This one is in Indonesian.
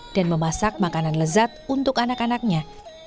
dan memasak makanan lezat untuk anak anaknya